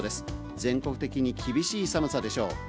全国的に厳しい寒さでしょう。